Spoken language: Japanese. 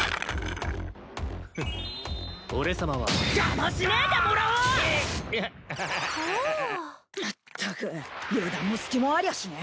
まったく油断も隙もありゃしねえ。